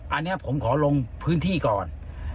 อันนี้ผมขอลงพื้นที่ก่อน